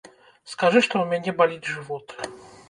Скажы, што ў мяне баліць жывот.